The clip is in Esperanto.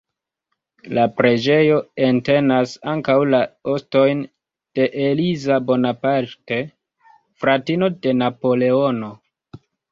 La preĝejo entenas ankaŭ la ostojn de Eliza Bonaparte, fratino de Napoleono.